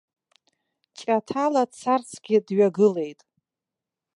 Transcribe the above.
Ҷаҭала дцарцгьы дҩагылеит.